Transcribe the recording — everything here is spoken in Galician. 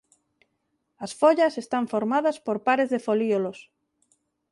As follas están formadas por pares de folíolos.